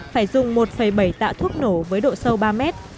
phải dùng một bảy tạ thuốc nổ với độ sâu ba mét